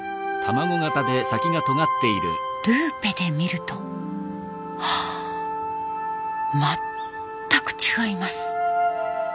ルーペで見るとはあ全く違います。